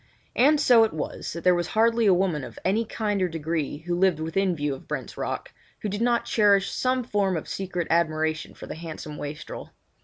And so it was that there was hardly a woman of any kind or degree, who lived within view of Brent's Rock, who did not cherish some form of secret admiration for the handsome wastrel.